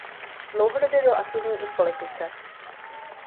Dlouhodobě byl aktivní i v politice.